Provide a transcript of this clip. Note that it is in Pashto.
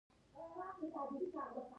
د دروغو خپرول بازار ګډوډوي.